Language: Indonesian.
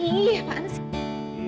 iya apaan sih